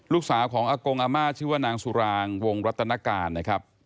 ลูกสาวของอากงอาม่าชื่อว่านางสุรางวงรัตนการนะครับ